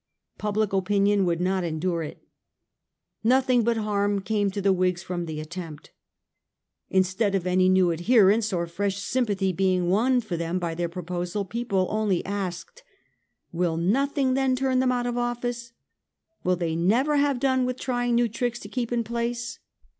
Public opinion would not endure it. Nothing but harm came to the Whigs from the attempt. Instead of any new adherents or fresh sympathy being won for th em by their proposal, people only asked, ' Will nothing then turn them out of office ? Will they never have done with trying new tricks to keep in place?